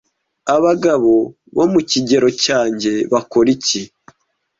abagabo bo mu kigero cyanjye bakora iki